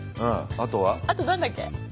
あと何だっけ？